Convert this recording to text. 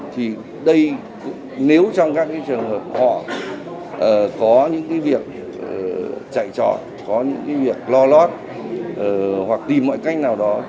thì đây nếu trong các trường hợp họ có những việc chạy trò có những việc lo lót hoặc tìm mọi cách nào đó